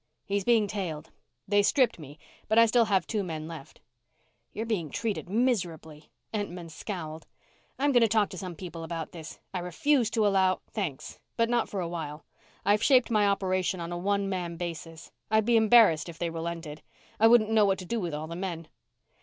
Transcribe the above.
"He's being tailed. They stripped me, but I still have two men left." "You're being treated miserably!" Entman scowled. "I'm going to talk to some people about this. I refuse to allow " "Thanks, but not for a while. I've shaped my operation on a one man basis. I'd be embarrassed if they relented. I wouldn't know what to do with all the men."